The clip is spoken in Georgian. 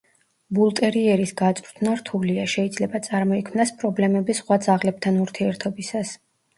ბულტერიერის გაწვრთნა რთულია, შეიძლება წარმოიქმნას პრობლემები სხვა ძაღლებთან ურთიერთობისას.